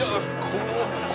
怖っ！